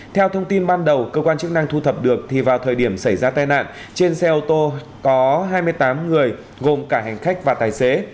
theo thông tin ban đầu cơ quan chức năng thu thập được thì vào thời điểm xảy ra tai nạn trên xe ô tô có hai mươi tám người gồm cả hành khách và tài xế